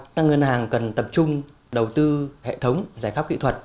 các ngân hàng cần tập trung đầu tư hệ thống giải pháp kỹ thuật